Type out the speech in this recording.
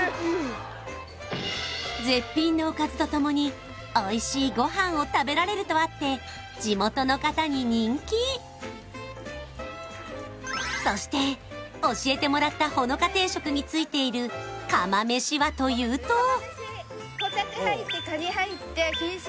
絶品のおかずとともにおいしいご飯を食べられるとあって地元の方に人気そして教えてもらった穂の香定食についている釜飯はというとホタテ入ってカニ入って錦糸